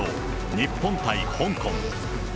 日本対香港。